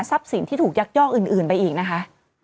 สินที่ถูกยักยอกอื่นไปอีกนะคะ